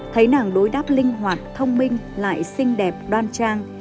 thấy nàng đối đáp linh hoạt thông minh lại xinh đẹp đoan trang